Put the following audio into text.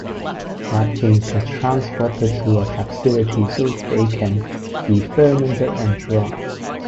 Wet beans are transported to a facility so they can be fermented and dried.